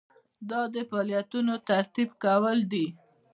دا د فعالیتونو ترتیب کول دي.